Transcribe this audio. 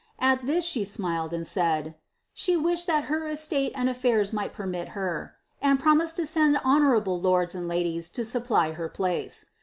At tiiu she smiled, and said, ^ she wished that her estate and lAiEB mighl pennit her,' and promised to send honourable lords and Uies to supply her place."'